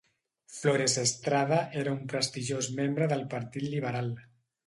Flores Estrada era un prestigiós membre del partit liberal.